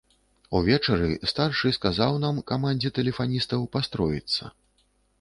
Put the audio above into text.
Увечары старшы сказаў нам, камандзе тэлефаністаў, пастроіцца.